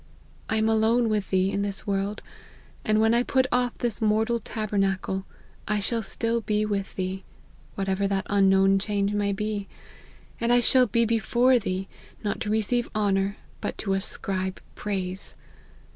I am alone with Thee in this world ; and when I put off this mortal tabernacle, I shall still be with Thee, whatever that unknown change may be ; and I shall be before Thee, not to receive honour, but to ascribe praise.